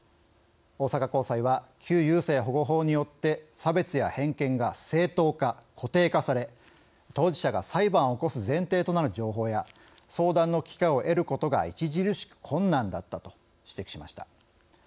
大阪高裁は旧優生保護法によって差別や偏見が正当化・固定化され当事者が裁判を起こす前提となる情報や相談の機会を得ることが著しく困難だったと指摘しました。